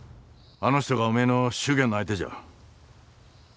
あの人がおめえの祝言の相手じゃ。